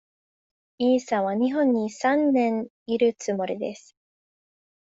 イさんは日本に三年いるつもりです。